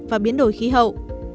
và biến đổi khí hậu